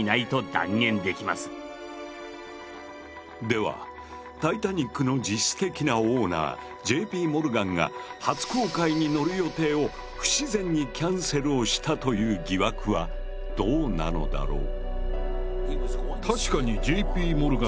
ではタイタニックの実質的なオーナーＪ．Ｐ．モルガンが初航海に乗る予定を不自然にキャンセルをしたという疑惑はどうなのだろう。